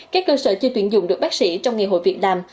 các cơ sở chưa tuyển dụng được bác sĩ trong ngày hội việt nam